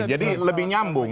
jadi lebih nyambung